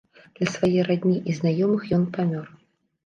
Для свае радні і знаёмых ён памёр.